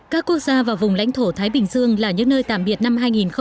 các quốc gia và vùng lãnh thổ thái bình dương là những nơi tạm biệt năm hai nghìn một mươi chín